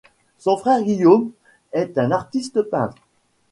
Son frère Guillaume, est un artiste peintre.